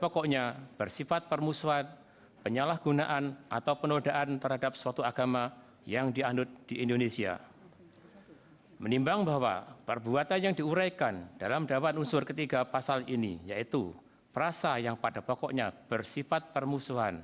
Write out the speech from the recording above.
kepulauan seribu kepulauan seribu